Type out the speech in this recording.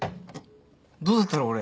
どうだったろ俺。